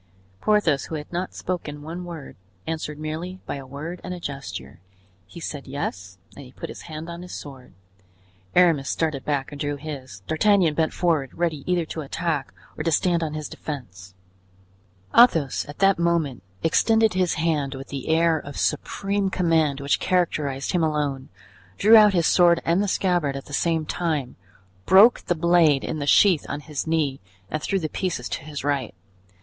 Porthos, who had not spoken one word, answered merely by a word and a gesture. He said "yes" and he put his hand on his sword. Aramis started back and drew his. D'Artagnan bent forward, ready either to attack or to stand on his defense. Athos at that moment extended his hand with the air of supreme command which characterized him alone, drew out his sword and the scabbard at the same time, broke the blade in the sheath on his knee and threw the pieces to his right.